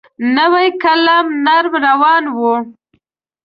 نوی قلم نرم روان وي.